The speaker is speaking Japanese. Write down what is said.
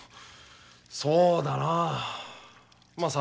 そうだなあ。